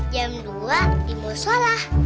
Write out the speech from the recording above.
jam dua di mosola